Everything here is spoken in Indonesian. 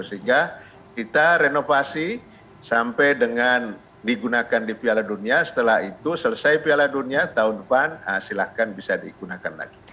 sehingga kita renovasi sampai dengan digunakan di piala dunia setelah itu selesai piala dunia tahun depan silahkan bisa digunakan lagi